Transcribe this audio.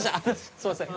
すいません